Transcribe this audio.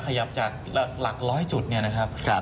ขยับจากหลักหลักร้อยจุดเนี้ยนะครับครับ